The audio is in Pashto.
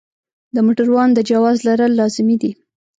د موټروان د جواز لرل لازمي دي.